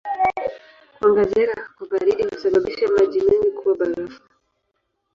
Kuongezeka kwa baridi husababisha maji mengi kuwa barafu.